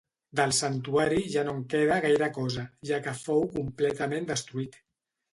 Del santuari ja no en queda gaire cosa, ja que fou completament destruït.